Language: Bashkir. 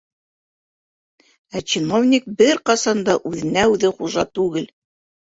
Ә чиновник бер ҡасан да үҙенә-үҙе хужа түгел!